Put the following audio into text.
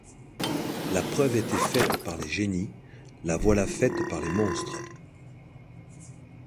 La preuve était faite par les génies, la voilà faite par les monstres.